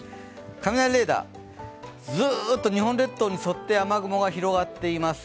雷レーダー、ずーっと日本列島に沿って雨雲が広がっています。